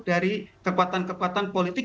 dari kekuatan kekuatan politik